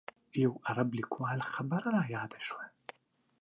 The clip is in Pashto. یو عرب لیکوال خبره رایاده شوه.